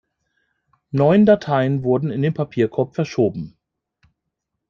Neun Dateien wurden in den Papierkorb verschoben.